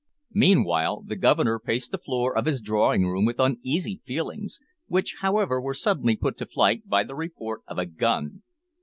Meanwhile the Governor paced the floor of his drawing room with uneasy feelings, which, however, were suddenly put to flight by the report of a gun.